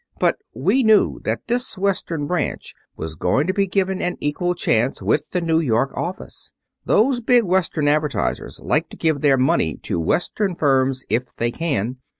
But we knew that this Western branch was going to be given an equal chance with the New York office. Those big Western advertisers like to give their money to Western firms if they can.